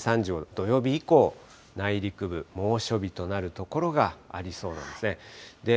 土曜日以降、内陸部、猛暑日となる所がありそうですね。